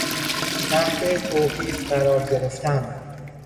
تحت توقیف قرار گرفتن